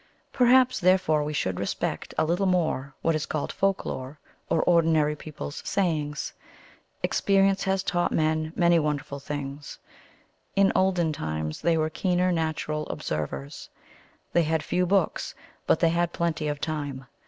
Perhaps, therefore, we should respect a little more what is called "folk lore," or ordinary people's sayings. Experience has taught men many wonderful things. In olden times they were keener natural observers. They had few books, but they had plenty of time.